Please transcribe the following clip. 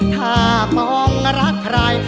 ถ้ามองรักใคร